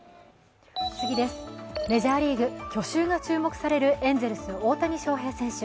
メジャーリーグ、去就が注目されるエンゼルス・大谷翔平選手。